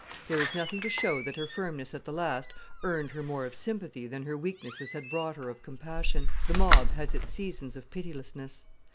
There is nothing to show that her firmness at the last earned her more of sympathy than her weaknesses had brought her of compassion. The mob has its seasons of pitilessness.